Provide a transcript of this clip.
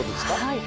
はい。